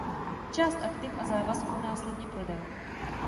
Část aktiv a závazků následně prodal.